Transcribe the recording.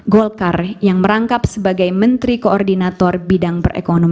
golkar yang merangkap sebagai menteri koordinator bnp